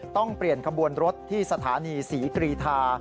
ต้องเปลี่ยนขบวนรถที่สถานีศรีกรีธา